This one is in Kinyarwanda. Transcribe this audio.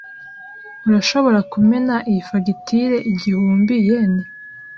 Urashobora kumena iyi fagitire igihumbi-yen?